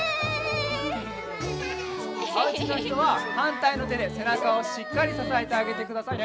おうちのひとははんたいのてでせなかをしっかりささえてあげてくださいね。